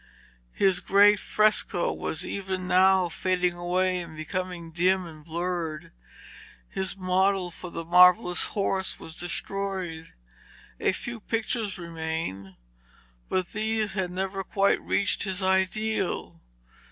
His great fresco was even now fading away and becoming dim and blurred. His model for the marvellous horse was destroyed. A few pictures remained, but these had never quite reached his ideal.